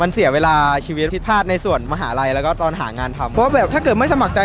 มันเสียเวลาชีวิตผิดพลาดในส่วนมหาลัย